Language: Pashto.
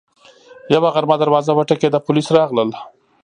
یوه غرمه دروازه وټکېده، پولیس راغلل